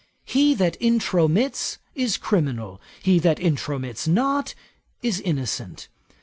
He that intromits, is criminal; he that intromits not, is innocent.